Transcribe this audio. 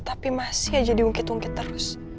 tapi masih aja diungkit ungkit terus